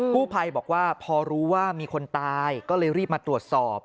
กู้ภัยบอกว่าพอรู้ว่ามีคนตายก็เลยรีบมาตรวจสอบ